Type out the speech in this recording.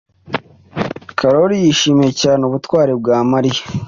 Karoli yishimiye cyane ubutwari bwa Mariya.